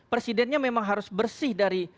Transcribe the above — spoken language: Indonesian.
presidennya memang harus bersih dari